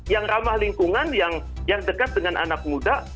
yang ramah lingkungan yang dekat dengan anak muda